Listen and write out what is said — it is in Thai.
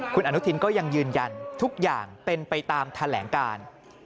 คุณอนุทินก็ยังยืนยันทุกอย่างเป็นไปตามแถลงการ